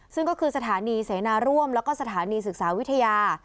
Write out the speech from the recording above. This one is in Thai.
ซึ่งก็คือสถานีเสนาร่วมแล้วก็สถานีศึกษาวิทยา